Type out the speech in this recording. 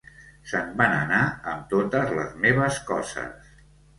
Se'n van anar amb totes les meves coses